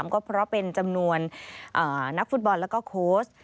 ก็เพราะเป็นจำนวนนักฟุตบอลแล้วก็โค้ช